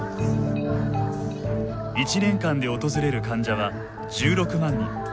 １年間で訪れる患者は１６万人。